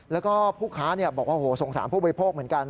แล้วก็ผู้ค้าบอกว่าสงสารผู้บริโภคเหมือนกัน